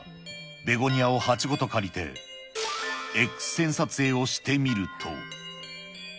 ベゴニアを鉢ごと借りて、エックス線撮影をしてみると。